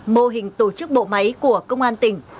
mô hình tổ chức bộ máy của công an tỉnh